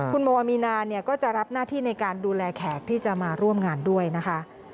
คุณโมอามีนาเนี่ยก็จะรับหน้าที่ในการดูแลแขกที่จะมาร่วมงานด้วยนะคะ